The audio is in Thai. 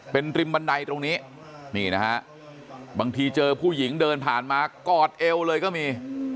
เป็นริมบันไดตรงนี้นี่นะฮะบางทีเจอผู้หญิงเดินผ่านมากอดเอวเลยก็มี